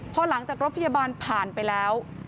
พอหลังจากรถพยาบาลผ่านไปแล้ว